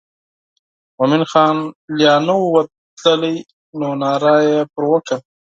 مومن خان لا نه و تللی نو ناره یې پر وکړه.